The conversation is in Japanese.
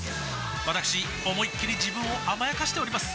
わたくし思いっきり自分を甘やかしております